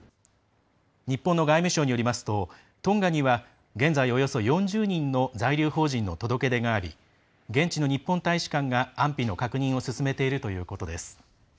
日本の外務省によりますとトンガには現在、およそ４０人の在留邦人の届け出があり現地の日本大使館が安否の確認を進めているということです。